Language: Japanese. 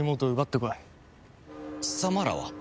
貴様らは？